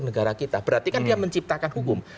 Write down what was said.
negara kita berarti kan dia menciptakan hukum